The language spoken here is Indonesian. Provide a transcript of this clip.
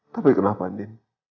tapi kenapa ndin